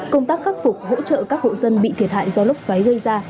công tác khắc phục hỗ trợ các hộ dân bị thiệt hại do lốc xoáy gây ra